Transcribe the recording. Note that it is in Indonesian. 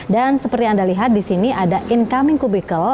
dan seperti anda lihat di sini ada incoming cubicle